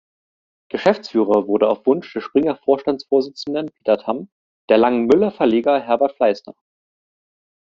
Geschäftsführer wurde auf Wunsch des Springer-Vorstandsvorsitzenden Peter Tamm der Langen Müller Verleger Herbert Fleissner.